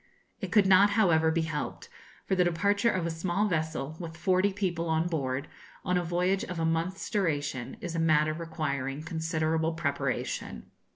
It could not, however, be helped; for the departure of a small vessel, with forty people on board, on a voyage of a month's duration, is a matter requiring considerable preparation.